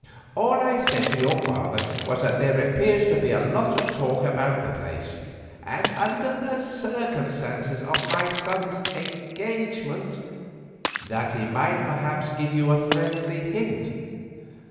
All I said to your father was that there appears to be a lot of talk about the place, and, under the circumstances of my son's engagement, that he might perhaps give you a friendly hint."